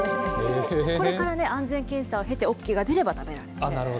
これからね、安全検査を経て、ＯＫが出れば食べられます。